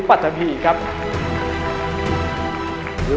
๓๓๐ครับนางสาวปริชาธิบุญยืน